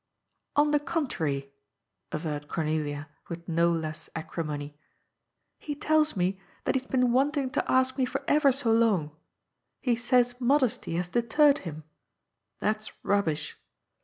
'*^ On the contrary," averred Cornelia with no less acri mony, *^ he tells me that he has been wanting to ask me for ever so long. He says modesty has deterred him; that's rubbish.